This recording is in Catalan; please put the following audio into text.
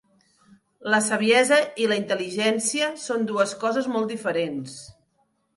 La saviesa i la intel·ligència són dues coses molt diferents.